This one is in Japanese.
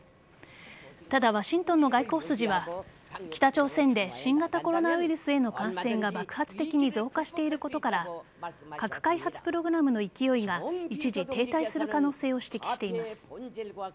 ただ、ワシントンの外交筋は北朝鮮で新型コロナウイルスへの感染が爆発的に増加していることから核開発プログラムの勢いが一時停滞する可能性を指摘しています。